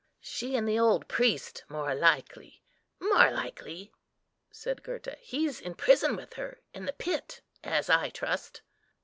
"She and the old priest, more likely, more likely," said Gurta. "He's in prison with her—in the pit, as I trust."